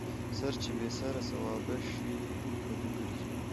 ـ سر چې بې سر سوابه شي کدو ګرځي.